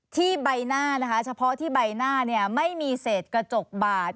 ใบหน้านะคะเฉพาะที่ใบหน้าเนี่ยไม่มีเศษกระจกบาด